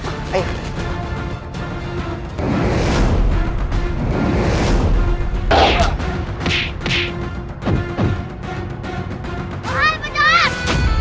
hai hai penjahat